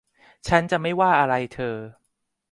ฉันจะไม่ว่าอะไรเธอ